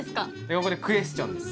ここでクエスチョンです。